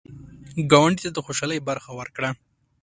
ګاونډي ته د خوشحالۍ برخه ورکړه